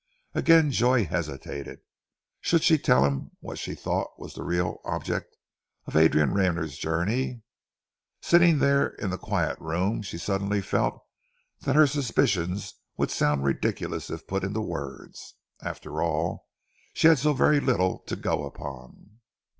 Again Joy hesitated. Should she tell him what she thought was the real object of Adrian Rayner's journey? Sitting there in that quiet room, she suddenly felt that her suspicions would sound ridiculous if put into words. After all, she had so very little to go upon.